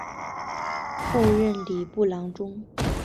后任礼部郎中。